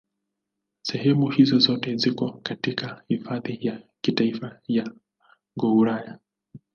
Sehemu hizo zote ziko katika Hifadhi ya Kitaifa ya Gouraya.